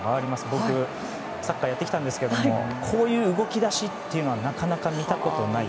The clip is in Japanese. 僕サッカーやってきたんですけどこういう動き出しというのはなかなか見たことがない。